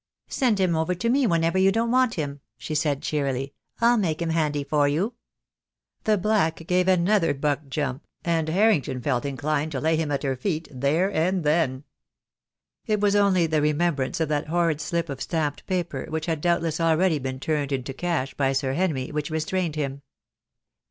"Send him over to me whenever you don't want him," she said, cheerily. "I'll make him handy for you." The black gave another buck jump, and Harrington 222 THE DAY WILL COME. felt inclined to lay him at her feet there and then. It was only the remembrance of that horrid slip of stamped paper, which had doubtless already been turned into cash by Sir Henry, which restrained him.